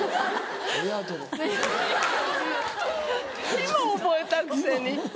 今覚えたくせに。